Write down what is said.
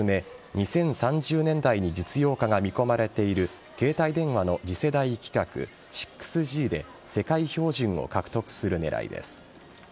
２０３０年代に実用化が見込まれている携帯電話の次世代規格・６Ｇで世界標準を獲得する狙いです。